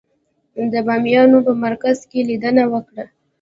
د بامیانو په مرکز کې لیدنه وکړه.